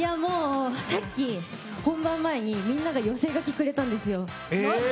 さっき、本番前にみんなが寄せ書きくれたんです。